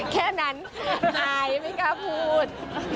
แค่นั้นอายไม่กล้าพูด